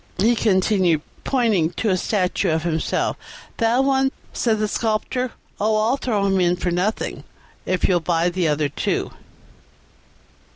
he continued, pointing to a statue of himself. "That one?" said the Sculptor; "Oh, I'll throw him in for nothing if you'll buy the other two."